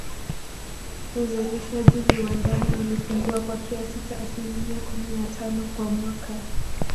Uzalishaji viwandani ulipungua kwa kiasi cha asilimia kumi na tano kwa mwaka